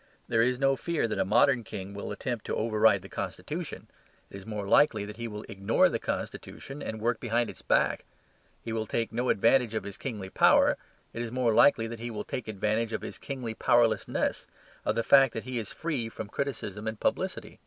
There is no fear that a modern king will attempt to override the constitution; it is more likely that he will ignore the constitution and work behind its back; he will take no advantage of his kingly power; it is more likely that he will take advantage of his kingly powerlessness, of the fact that he is free from criticism and publicity.